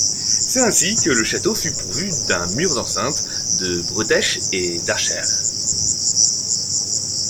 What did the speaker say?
C'est ainsi que le château fut pourvu d'un mur d'enceinte, de bretèches et d'archères.